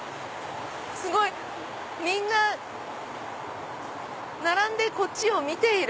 すごい！並んでこっちを見ている。